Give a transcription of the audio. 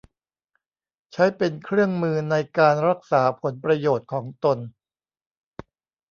ใช้เป็นเครื่องมือในการรักษาผลประโยชน์ของตน